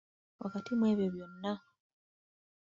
Wakati mu ebyo byonna